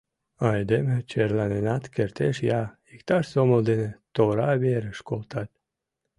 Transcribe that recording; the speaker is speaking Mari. Айдеме черланенат кертеш я иктаж сомыл дене тора верыш колтат...